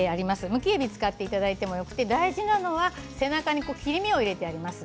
むきえびを使っていただいてもよくて大事なのは背中に切れ目を入れてあります。